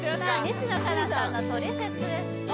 西野カナさんの「トリセツ」です